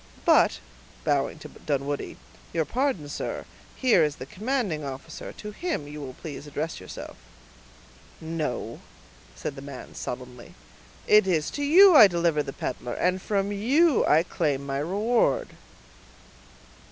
But," bowing to Dunwoodie, "your pardon, sir; here is the commanding officer; to him you will please address yourself." "No," said the man, sullenly, "it is to you I deliver the peddler, and from you I claim my reward."